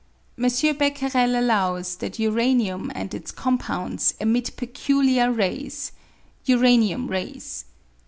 M. Becquerel allows that uranium and its compounds emit peculiar rays — uranium rays.